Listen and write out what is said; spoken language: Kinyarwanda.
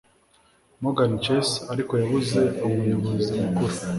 Morgan Chase, ariko yabuze umuyobozi mukuru